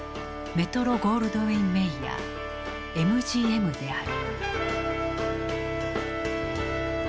メトロ・ゴールドウィン・メイヤーＭＧＭである。